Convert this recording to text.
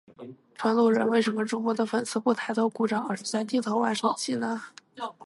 纯路人，为什么主播的粉丝不抬头鼓掌而是在低头玩手机呢？